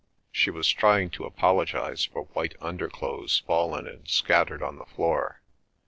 She was trying to apologise for white underclothes fallen and scattered on the floor.